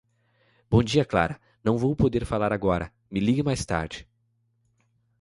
Bom dia Clara, não vou poder falar agora, me ligue mais tarde.